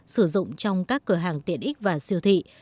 sử dụng trong các cửa hàng tiện ích và siêu thị